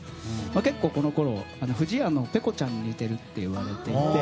結構、このころ不二家のペコちゃんに似てるって言われていて。